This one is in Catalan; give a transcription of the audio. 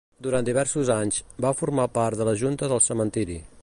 Durant diversos anys, va formar part de la junta del cementiri.